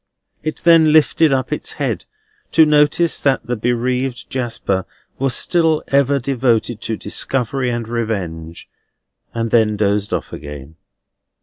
It then lifted up its head, to notice that the bereaved Jasper was still ever devoted to discovery and revenge; and then dozed off again.